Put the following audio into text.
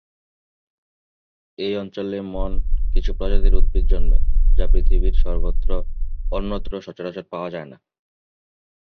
এই অঞ্চলে মন কিছু প্রজাতির উদ্ভিদ জন্মে যা পৃথিবীর অন্যত্র সচরাচর পাওয়া যায়না।